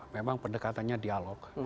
memang pendekatannya dialog